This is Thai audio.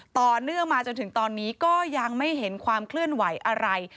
ต่อเนื่องมาจนถึงตอนนี้ก็ยังไม่เห็นความเคลื่อนไหวอะไร